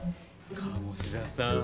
鴨志田さん